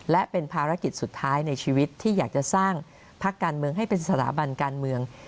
และเป็นภารกิจสุดท้ายในชีวิตที่อยากจะสร้างพักการเมืองให้เป็นสถาบันการเมือง